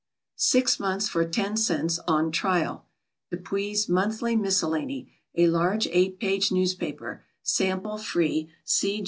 6 months for 10 cents, on trial. Depuy's Monthly Miscellany, a large 8 page newspaper. Sample free.